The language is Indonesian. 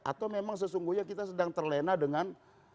atau memang sesungguhnya kita sedang terlena dengan